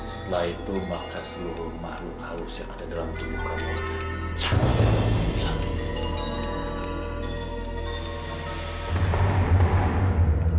setelah itu makan semua makhluk harus yang ada dalam tubuhmu